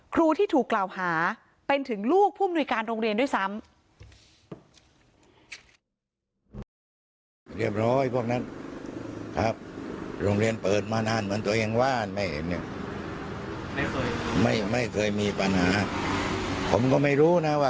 ครูที่ถูกกล่าวหาเป็นถึงลูกผู้มนุยการโรงเรียนด้วยซ้ำ